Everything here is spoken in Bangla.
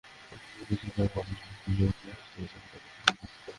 রাজধানীর অন্যান্য বাজারেও বেগুন কোথাও সেঞ্চুরি করেছে, কোথাও আটকে আছে নব্বইয়ের ঘরে।